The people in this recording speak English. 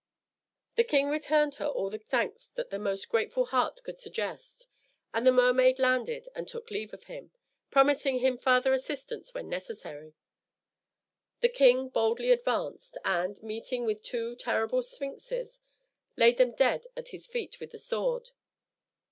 The king returned her all the thanks that the most grateful heart could suggest; and the mermaid landed and took leave of him, promising him farther assistance when necessary. The king boldly advanced, and, meeting with two terrible sphinxes, laid them dead at his feet with the sword.